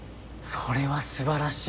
それはすばらしい。